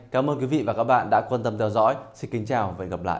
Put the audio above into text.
cảm ơn quý vị và các bạn đã quan tâm theo dõi xin kính chào và hẹn gặp lại